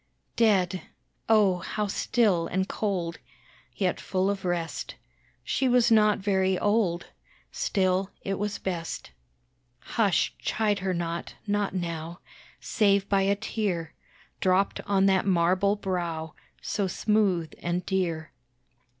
Dead! oh, how still and cold! Yet full of rest. She was not very old Still, it was best. Hush, chide her not, not now, Save by a tear, Dropped on that marble brow So smooth and dear.